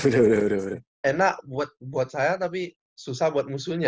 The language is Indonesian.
enak buat saya tapi susah buat musuhnya